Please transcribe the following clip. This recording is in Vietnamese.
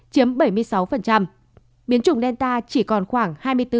chiếm bảy mươi sáu biến chủng delta chỉ còn khoảng hai mươi bốn